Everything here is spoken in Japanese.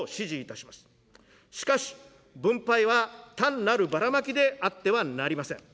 しかし、分配は単なるバラマキであってはなりません。